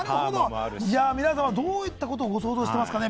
皆さま、どういったことを想像していますかね？